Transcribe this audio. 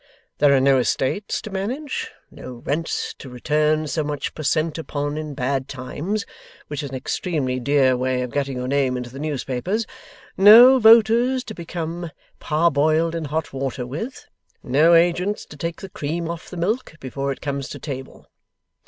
There are no estates to manage, no rents to return so much per cent upon in bad times (which is an extremely dear way of getting your name into the newspapers), no voters to become parboiled in hot water with, no agents to take the cream off the milk before it comes to table.